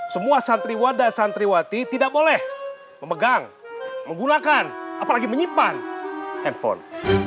semua santri wadah santriwati tidak boleh memegang menggunakan apalagi menyimpan handphone